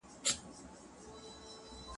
قابیله ته یې او د ورور جنازه! څه به کوې؟